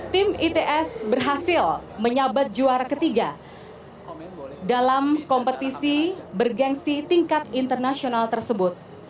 tim its berhasil menyabat juara ketiga dalam kompetisi bergensi tingkat internasional tersebut